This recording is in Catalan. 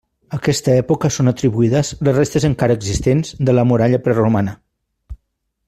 A aquesta època són atribuïdes les restes encara existents de la muralla preromana.